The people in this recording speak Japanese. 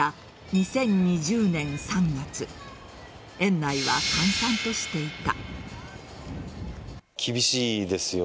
２０２０年３月園内は閑散としていた。